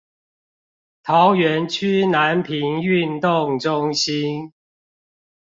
桃園區南平運動中心